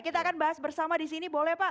kita akan bahas bersama di sini boleh pak